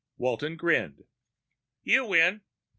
Walton grinned. "You win.